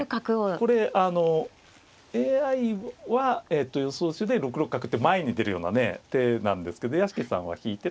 これＡＩは予想手で６六角って前に出るようなね手なんですけど屋敷さんは引いて。